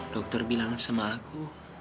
dokter bilang sama aku